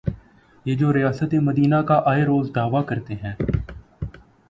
یہ جو ریاست مدینہ کا آئے روز دعوی کرتے ہیں۔